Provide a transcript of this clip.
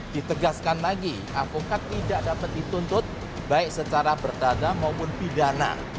ditegaskan lagi avokat tidak dapat dituntut baik secara perdana maupun pidana